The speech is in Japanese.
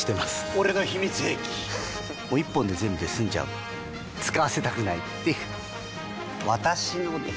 俺の秘密兵器１本で全部済んじゃう使わせたくないっていう私のです！